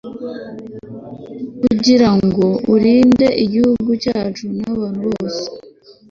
kugira ngo urinde igihugu cyacu abantu bose